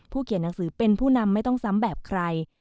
เขียนหนังสือเป็นผู้นำไม่ต้องซ้ำแบบใคร